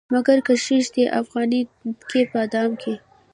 مګر کښيږدي افغاني نتکۍ په دام کې